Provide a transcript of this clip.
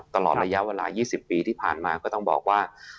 ตลอดระยะเวลา๒๐ปีที่ผ่านมาก็ต้องบอกว่า